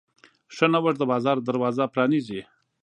ښه نوښت د بازار دروازه پرانیزي.